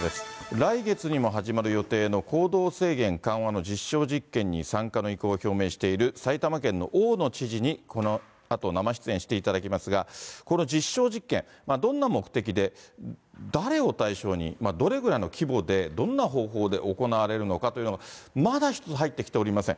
来月にも始まる予定の、行動制限緩和の実証実験に参加の意向を表明している埼玉県の大野知事に、このあと生出演していただきますが、この実証実験、どんな目的で、誰を対象に、どれぐらいの規模で、どんな方法で行われるのかというのが、まだ一つ入ってきておりません。